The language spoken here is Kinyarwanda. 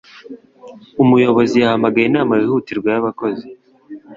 Umuyobozi yahamagaye inama yihutirwa y'abakozi.